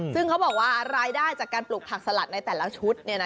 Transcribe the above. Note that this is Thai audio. ซึ่งเขาบอกว่ารายได้จากการปลูกผักสลัดในแต่ละชุด